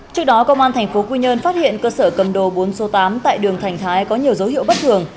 trước đó công an tp quy nhơn phát hiện cơ sở cầm đồ bốn số tám tại đường thành thái có nhiều dấu hiệu bất thường